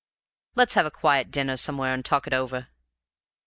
Let's have a quiet dinner somewhere and talk it over."